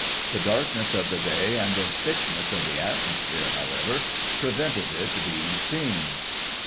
The darkness of the day, and the thickness of the atmosphere, however, prevented it being seen."